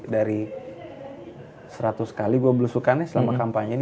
dari seratus kali dua belusukannya selama kampanye ini